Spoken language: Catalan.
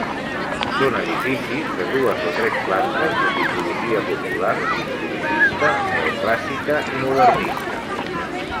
Són edificis de dues o tres plantes de tipologia popular, historicista, neoclàssica i modernista.